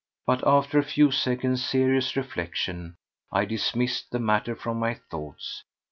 But after a few seconds' serious reflection I dismissed the matter from my thoughts.